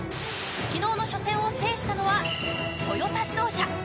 昨日の初戦を制したのはトヨタ自動車。